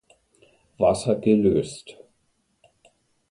Wasser gelöst.